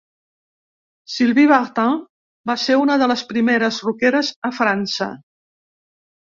Sylvie Vartan va ser una de les primeres rockeres a França.